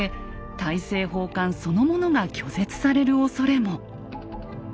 大政奉還そのものが拒絶されるおそれも。